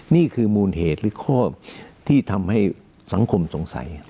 นี่คือมูลเหตุหรือข้อที่ทำให้สังคมสงสัย